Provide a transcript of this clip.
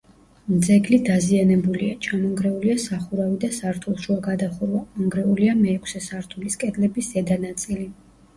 ძეგლი დაზიანებულია: ჩამონგრეულია სახურავი და სართულშუა გადახურვა, მონგრეულია მეექვსე სართულის კედლების ზედა ნაწილი.